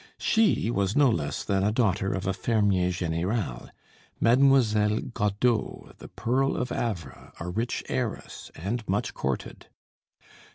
She was no less than a daughter of a fermier général, Mademoiselle Godeau, the pearl of Havre, a rich heiress, and much courted.